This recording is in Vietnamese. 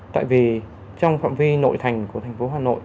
tại vì trong phạm vi nội thành của thành phố hà nội